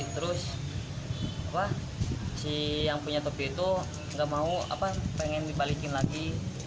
terus si yang punya topi itu nggak mau pengen dibalikin lagi